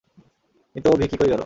কিন্তু ও ভিকি কই গেল?